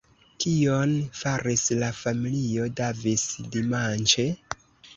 Kion faris la familio Davis dimanĉe?